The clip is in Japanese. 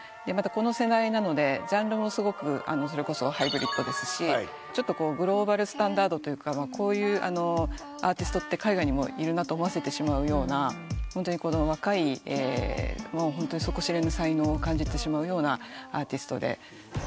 またこの世代なのでジャンルもすごくそれこそハイブリッドですしちょっとグローバルスタンダードというかこういうアーティストって海外にもいるなと思わせてしまうようなホントに若い底知れぬ才能を感じてしまうようなアーティストで。